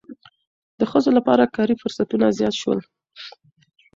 د ښځو لپاره کاري فرصتونه زیات شول.